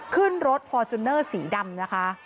ขึ้นรถฟอร์จูเนอร์สีดำนะคะ